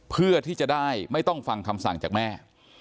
เพื่อที่จะได้ไม่ต้องฟังคำสั่งจากแม่